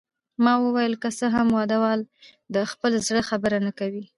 ما وویل: که څه هم واده والا د خپل زړه خبره نه کوي.